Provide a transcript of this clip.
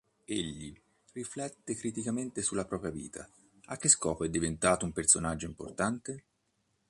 Egli riflette criticamente sulla propria vita: a che scopo è diventato un personaggio importante?